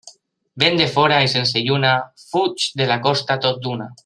Vent de fora i sense lluna, fuig de la costa tot d'una.